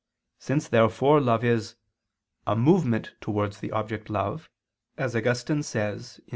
Since therefore love is "a movement towards the object loved," as Augustine says (QQ.